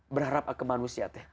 berharap aku manusia teh